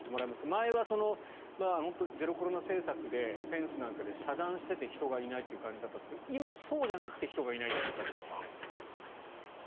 前はゼロコロナ政策でフェンスなんかで遮断していて人がいないという感じだったんですが今はそうじゃなくて人がいないという感じですよね。